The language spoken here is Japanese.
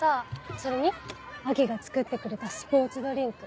それに亜季が作ってくれたスポーツドリンク